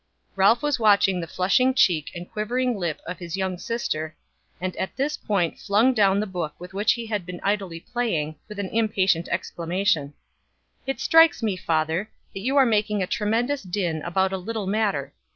Ralph was watching the flushing cheek and quivering lip of his young sister, and at this point flung down the book with which he had been idly playing, with an impatient exclamation: "It strikes me, father, that you are making a tremendous din about a little matter.